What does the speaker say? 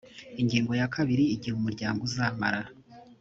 ingingo ya kabiri igihe umuryango uzamara